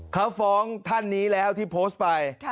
เขาฟ้องท่านนี้แล้วที่โพสต์ไป